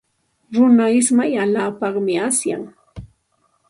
Runa ismay allaapaqmi asyan.